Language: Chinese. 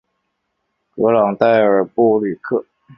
格朗代尔布吕克。